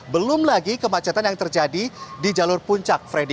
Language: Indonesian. belum lagi kemacetan yang terjadi di jalur puncak freddy